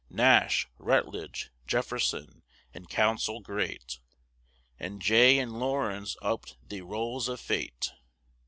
Nash, Rutledge, Jefferson, in council great, And Jay and Laurens op'd the rolls of fate.